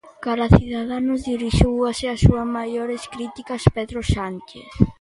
Cara a Ciudadanos dirixiu hoxe as súa maiores críticas Pedro Sánchez.